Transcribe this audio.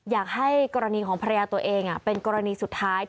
อยากให้กรณีของภรรยาตัวเองเป็นกรณีสุดท้าย